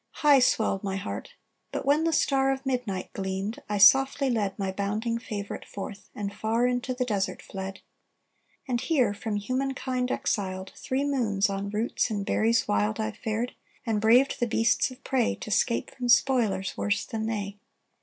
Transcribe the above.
"High swelled my heart! But when the star Of midnight gleamed, I softly led My bounding favourite forth, and far Into the desert fled. And here, from human kind exiled, Three moons on roots and berries wild I've fared; and braved the beasts of prey, To 'scape from spoilers worse than they.